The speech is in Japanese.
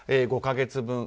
５か月分